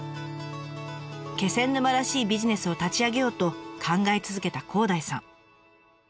気仙沼らしいビジネスを立ち上げようと考え続けた広大さん。